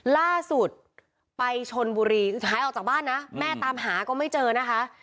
ล่าสุดไปชนบุรีหายออกจากบ้านนะแม่ตามหาก็ไม่เจอนะคะ